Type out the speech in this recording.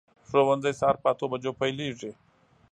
ښوونځی سهار په اتو بجو پیلېږي.